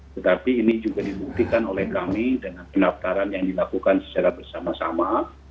tetapi ini juga dibuktikan oleh kami dengan pendaftaran yang dilakukan secara bersama sama